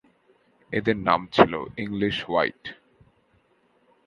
এদের নাম ছিলো ইংলিশ হোয়াইট।